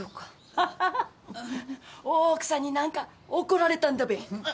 ハハハ大奥さんに何か怒られたんだべ？